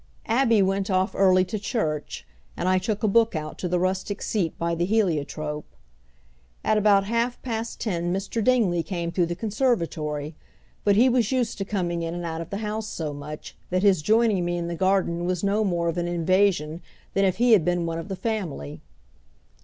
Abby went off early to church, and I took a book out to the rustic seat by the heliotrope. At about half past ten Mr. Dingley came through the conservatory; but he was used to coming in and out of the house so much that his joining me in the garden was no more of an invasion than if he had been one of the family.